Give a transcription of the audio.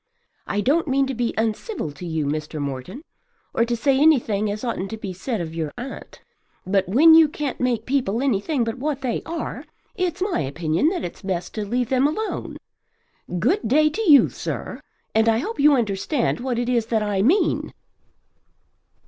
I don't mean to be uncivil to you, Mr. Morton, or to say anything as oughtn't to be said of your aunt. But when you can't make people anything but what they are, it's my opinion that it's best to leave them alone. Good day to you, sir, and I hope you understand what it is that I mean."